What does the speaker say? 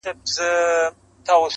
چي په هغو کي « زموږ شهید سوي عسکر» -